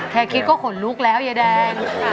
แค่คิดก็ขนลุกแล้วยายแดง